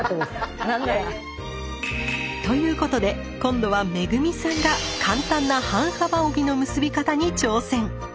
ということで今度はＭＥＧＵＭＩさんが簡単な半幅帯の結び方に挑戦！